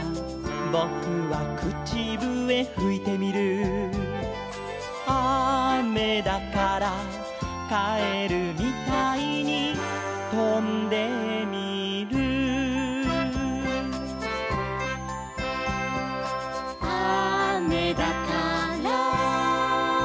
「ぼくはくちぶえふいてみる」「あめだから」「かえるみたいにとんでみる」「あめだから」